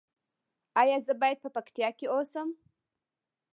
ایا زه باید په پکتیا کې اوسم؟